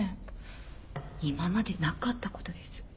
今までなかったことです。